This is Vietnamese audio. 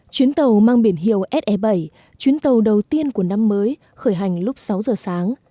chuyến tàu mang biển hiệu se bảy chuyến tàu đầu tiên của năm mới khởi hành lúc sáu giờ sáng